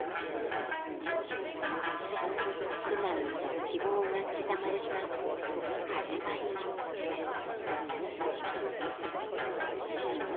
苦難と希望が刻まれた始まりの土地です。